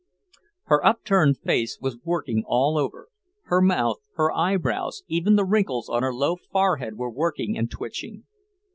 Her upturned face was working all over; her mouth, her eyebrows, even the wrinkles on her low forehead were working and twitching.